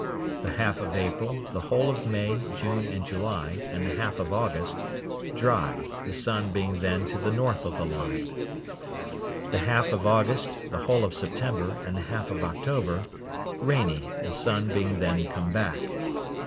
The half of April, the whole of May, June, and July, and the half of August—dry, the sun being then to the north of the line. The half of August, the whole of September, and the half of October—rainy, the sun being then come back.